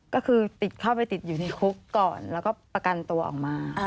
ก็คือติดเข้าไปติดอยู่ในคุกก่อนแล้วก็ประกันตัวออกมา